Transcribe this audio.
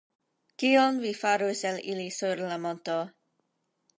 Kion vi farus el ili sur la monto?